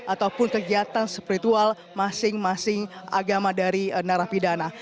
ataupun kegiatan spiritual masing masing agama dari narapidana